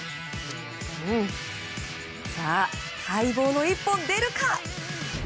さあ、待望の一本出るか。